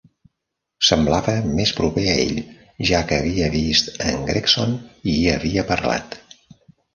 Semblava més proper a ell, ja que havia vist en Gregson i hi havia parlat.